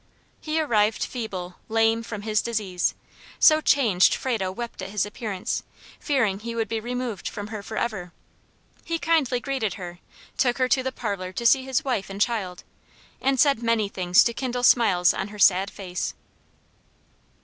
He arrived feeble, lame, from his disease, so changed Frado wept at his appearance, fearing he would be removed from her forever. He kindly greeted her, took her to the parlor to see his wife and child, and said many things to kindle smiles on her sad face.